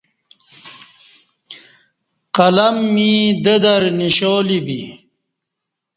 قلم می د در نِشالی بی